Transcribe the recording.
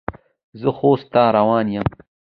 زه خوست ته روان یم.